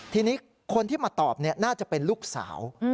ทีนี้คนที่มาตอบน่าจะเป็นลูกสาว